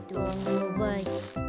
のばして。